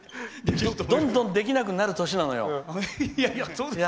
どんどんできなくなる年なのよ。